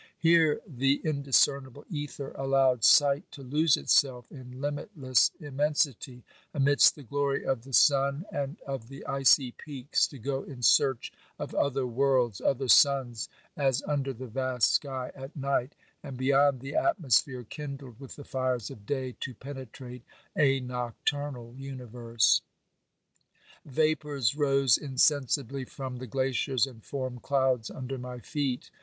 Here the indiscernible ether allowed sight to lose itself in limitless immensity ; amidst the glory of the sun and of the icy peaks, to go in search of other worlds, other suns, as under the vast sky at night ; and beyond the atmosphere kindled with the fires of day, to penetrate a nocturnal universe. Vapours rose insensibly from the glaciers and formed clouds under my feet.